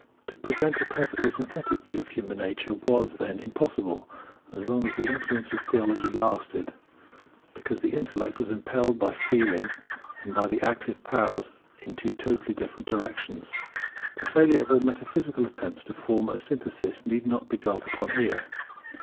To present a perfectly synthetic view of human nature was, then, impossible as long as the influence of theology lasted; because the Intellect was impelled by Feeling and by the Active powers in two totally different directions. The failure of all metaphysical attempts to form a synthesis need not be dwelt upon here.